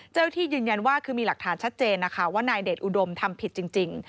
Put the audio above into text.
ที่ยืนยันว่าคือมีหลักฐานชัดเจนนะคะว่านายเดชอุดมทำผิดจริง